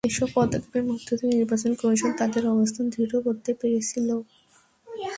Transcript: এসব পদক্ষেপের মধ্য দিয়ে নির্বাচন কমিশন তাদের অবস্থান দৃঢ় করতে পেরেছিল।